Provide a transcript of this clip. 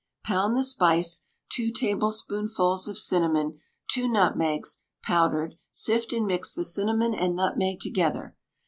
Pound the spice, two tablespoonfuls of cinnamon, two nutmegs, powdered; sift and mix the cinnamon and nutmeg together.